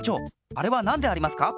あれはなんでありますか？